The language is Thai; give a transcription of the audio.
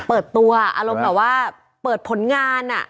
เปิดตัวอารมณ์แบบว่าเปิดผลงาน